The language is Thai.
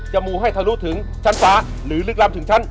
จะมูให้เธอรู้ถึงชั้นฟ้าหรือลึกลำถึงชั้น